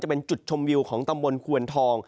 เป็นจุดชมวิวของตำบลควนทอง